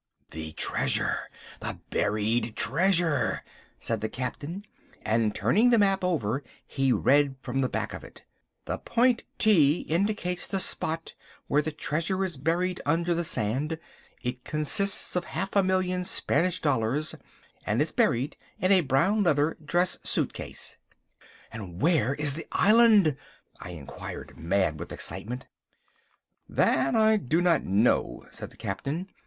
"The treasure, the buried treasure," said the Captain, and turning the map over he read from the back of it—"The point T indicates the spot where the treasure is buried under the sand; it consists of half a million Spanish dollars, and is buried in a brown leather dress suit case." "And where is the island?" I inquired, mad with excitement. "That I do not know," said the Captain.